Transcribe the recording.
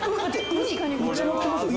ウニめっちゃ載ってますよ。